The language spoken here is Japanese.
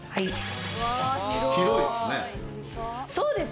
広いですね。